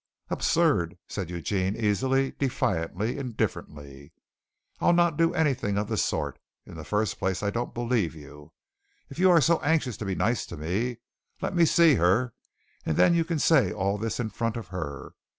"Absurd!" said Eugene easily, defiantly, indifferently. "I'll not do anything of the sort. In the first place, I don't believe you. If you are so anxious to be nice to me, let me see her, and then you can say all this in front of her.